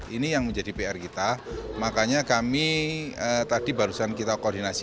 ini yang menjadi pr kita makanya kami tadi barusan kita koordinasi